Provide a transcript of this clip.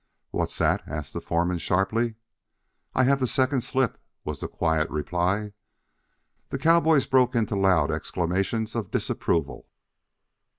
"What's that?" asked the foreman sharply. "I have the second slip," was the quiet reply. The cowboys broke into loud exclamations of disapproval.